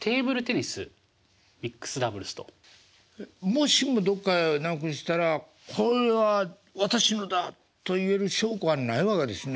もしもどっかなくしたら「これは私のだ」と言える証拠はないわけですね